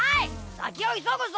さきをいそぐぞ！